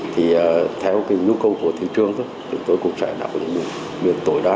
thì theo cái nhu cầu của thị trường chúng tôi cũng sẽ đạo những biệt tội đa